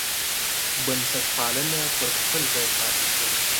بنسټپالنه پر خپل ځای پاتې شوه.